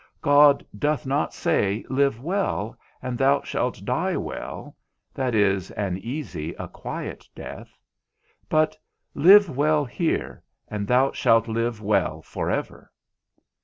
God doth not say, Live well, and thou shalt die well, that is, an easy, a quiet death; but, Live well here, and thou shalt live well for ever.